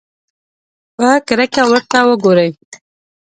په کرکه ورته وګوري.